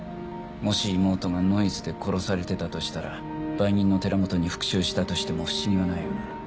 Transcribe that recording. もし妹がノイズで殺されてたとしたら売人の寺本に復讐したとしても不思議はないわな。